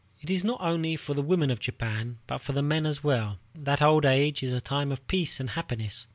It is not only for the women of Japan, but for the men as well, that old age is a time of peace and happiness.